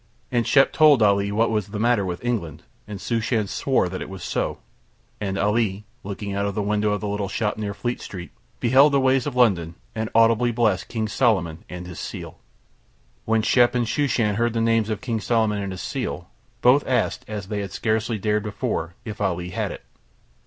And Shep told Ali what was the matter with England and Shooshan swore that it was so, and Ali looking out of the window of the little shop near Fleet Street beheld the ways of London and audibly blessed King Solomon and his seal. When Shep and Shooshan heard the names of King Solomon and his seal both asked, as they had scarcely dared before, if Ali had it.